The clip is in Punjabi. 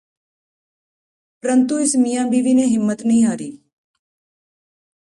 ਪਰੰਤੂ ਇਸ ਮੀਆਂ ਬੀਵੀ ਨੇ ਹਿੰਮਤ ਨਹੀਂ ਹਾਰੀ